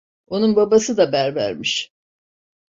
Onun babası da berbermiş.